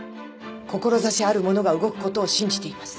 志ある者が動くことを信じています。